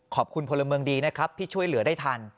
พลเมืองดีนะครับที่ช่วยเหลือได้ทัน